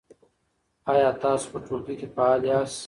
آیا تاسو په ټولګي کې فعال یاست؟